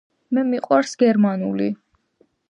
მე მიყვარს გერმანული